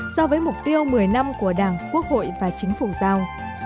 so với mục tiêu một mươi năm của đảng quốc hội và chính phủ giao